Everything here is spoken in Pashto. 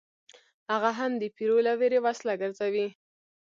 هغه هم د پیرو له ویرې وسله ګرځوله.